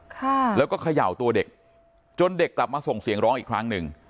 ค่ะแล้วก็เขย่าตัวเด็กจนเด็กกลับมาส่งเสียงร้องอีกครั้งหนึ่ง